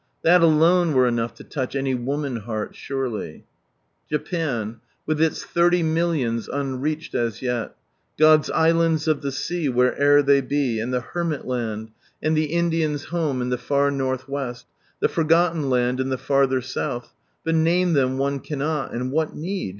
That alone were enough to touch any woman heart surely ! Japan, With its thirty millions unreached as yet. God's islands of the sea, where'er they be, and the Hermit Land, and the Indian's home in the far North West — the forgotten land in the farther South— but name them one cannot, and what need